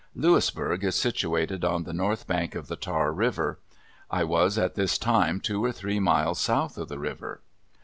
Louisburg is situated on the north bank of the Tar River. I was at this time two or three miles south of the river.